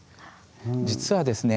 実はですね